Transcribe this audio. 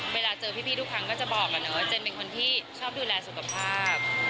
เวลาเจอพี่ทุกครั้งก็จะบอกก่อนนะว่าเจนเป็นคนที่ชอบดูแลสุขภาพ